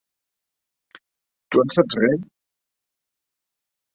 Tu en saps re?